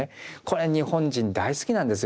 これ日本人大好きなんですよね